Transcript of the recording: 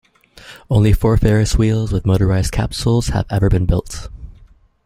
Only four Ferris wheels with motorised capsules have ever been built.